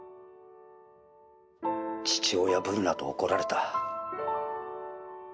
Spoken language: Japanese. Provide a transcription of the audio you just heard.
「父親ぶるなと怒られた」